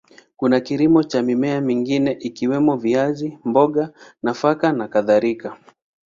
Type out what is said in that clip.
Kuna kilimo cha mimea mingine ikiwemo viazi, mboga, nafaka na kadhalika.